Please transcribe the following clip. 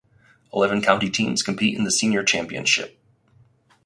Eleven county teams compete in the Senior Championship.